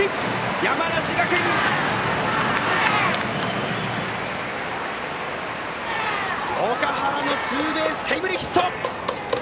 山梨学院岳原のツーベースタイムリーヒット！